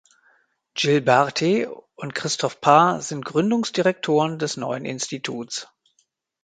Gilles Barthe und Christof Paar sind Gründungsdirektoren des neuen Instituts.